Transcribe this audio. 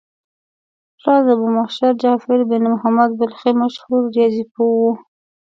راز ابومعشر جعفر بن محمد بلخي مشهور ریاضي پوه و.